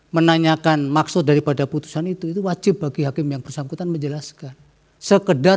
menanyakan maksud daripada putusan itu itu wajib bagi hakim yang bersangkutan menjelaskan sekedar